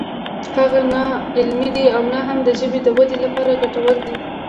هغه نه علمي دی او نه هم د ژبې د ودې لپاره ګټور دی